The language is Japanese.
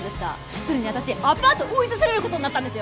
それに私アパート追い出される事になったんですよ。